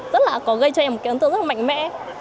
rất là có gây cho em một cái ấn tượng rất là mạnh mẽ